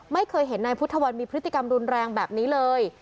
ไม่เคยเห็นนายพุทธวันมีพฤติกรรมรุนแรงแบบนี้เลย